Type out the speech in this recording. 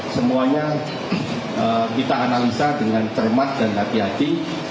semuanya kita analisa dengan cermat dan hati hati